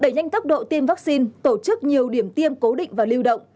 đẩy nhanh tốc độ tiêm vaccine tổ chức nhiều điểm tiêm cố định và lưu động